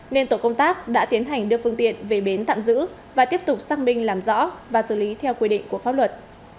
nên tổ công tác đã tiến hành đưa phương tiện về bến tạm giữ và tiếp tục xác minh làm rõ và xử lý theo quy định của pháp luật